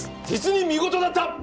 実に見事だった！